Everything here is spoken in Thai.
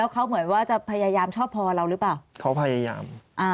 เขาพยายาม